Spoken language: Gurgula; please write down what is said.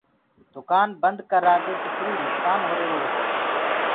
دُڪآن بنٚد ڪررآ دي ڪِترو نُڪسآن هرو هوسيٚ